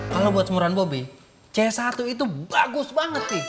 kalau buat semuran bobi c satu itu bagus banget sih